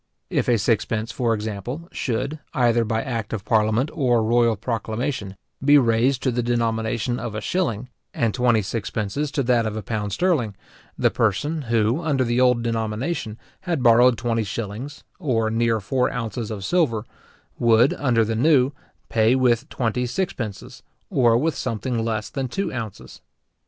If a sixpence, for example, should, either by act of parliament or royal proclamation, be raised to the denomination of a shilling, and twenty sixpences to that of a pound sterling; the person who, under the old denomination, had borrowed twenty shillings, or near four ounces of silver, would, under the new, pay with twenty sixpences, or with something less than two ounces.